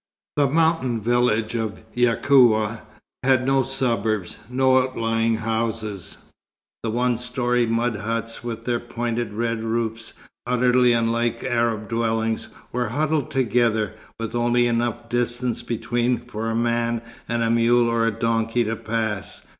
The mountain village of Yacoua had no suburbs, no outlying houses. The one story mud huts with their pointed red roofs, utterly unlike Arab dwellings, were huddled together, with only enough distance between for a man and a mule or a donkey to pass.